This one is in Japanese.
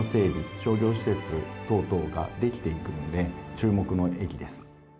商業施設等々ができていくので注目の駅です。